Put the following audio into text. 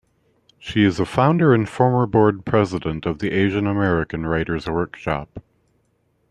She is a founder and former Board President of the Asian American Writers' Workshop.